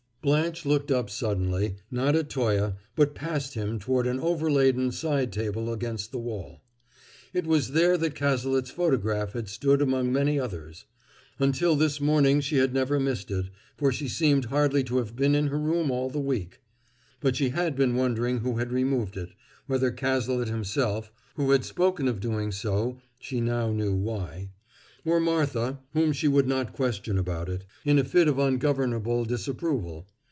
Blanche looked up suddenly, not at Toye, but past him toward an overladen side table against the wall. It was there that Cazalet's photograph had stood among many others; until this morning she had never missed it, for she seemed hardly to have been in her room all the week; but she had been wondering who had removed it, whether Cazalet himself (who had spoken of doing so, she now knew why), or Martha (whom she would not question about it) in a fit of ungovernable disapproval.